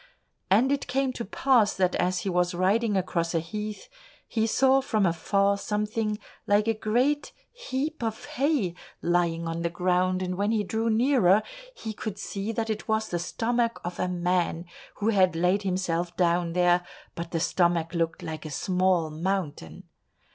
And it came to pass that as he was riding across a heath, he saw from afar something like a great heap of hay lying on the ground, and when he drew nearer, he could see that it was the stomach of a man, who had laid himself down there, but the stomach looked like a small mountain.